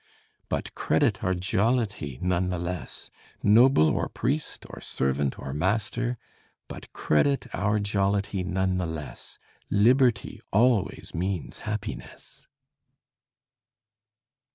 But credit our jollity none the less, Noble or priest, or Servant or master; But credit our jollity none the less. Liberty always means happiness.